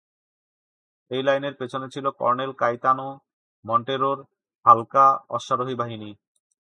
এই লাইনের পিছনে ছিল কর্নেল কাইতানো মন্টেরোর হালকা অশ্বারোহী বাহিনী।